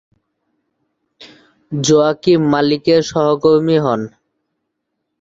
Joaquin মালিকের সহকর্মী হন।